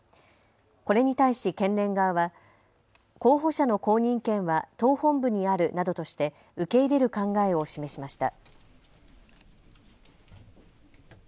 これに対し県連側は候補者の公認権は党本部にあるなどとして受け入れる考えを示しました。